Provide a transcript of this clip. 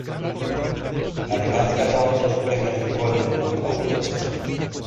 Además ganó dos premios Golden Boot Awards.